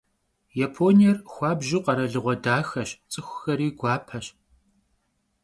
Yaponiêr xuabju kheralığue daxeş, ts'ıxuxeri guapeş.